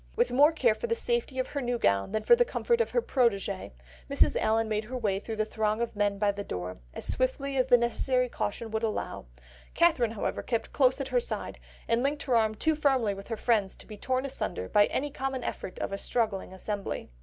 With more care for the safety of her new gown than for the comfort of her protegée, Mrs. Allen made her way through the throng of men by the door, as swiftly as the necessary caution would allow; Catherine, however, kept close at her side, and linked her arm too firmly within her friend's to be torn asunder by any common effort of a struggling assembly.